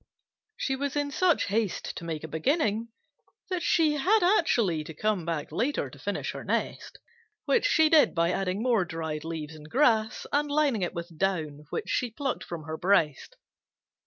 She was in such haste to make a beginning that she had actually to come back later to finish her nest, which she did by adding more dried leaves and grass and lining it with down which she plucked from her breast.